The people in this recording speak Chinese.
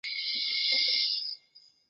绫崎家的次男。